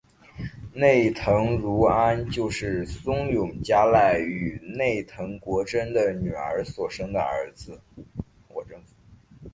内藤如安就是松永长赖与内藤国贞的女儿所生的儿子。